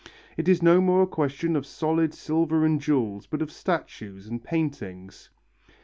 It is no more a question of solid silver and jewels, but of statues and paintings.